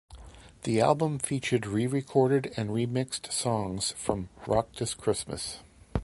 The album featured re-recorded and remixed songs from "Rock This Christmas".